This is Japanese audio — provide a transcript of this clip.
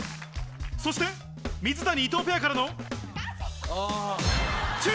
そして水谷・伊藤ペアからの。